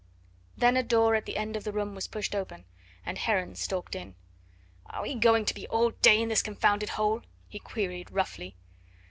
Then a door at the end of the room was pushed open, and Heron stalked in. "Are we going to be all day in this confounded hole?" he queried roughly.